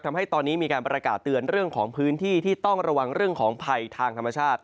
ทำให้ตอนนี้มีการประกาศเตือนเรื่องของพื้นที่ที่ต้องระวังเรื่องของภัยทางธรรมชาติ